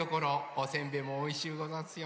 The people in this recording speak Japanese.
おせんべいもおいしゅうござんすよ。